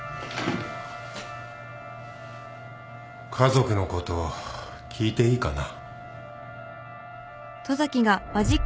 家族のこと聞いていいかな？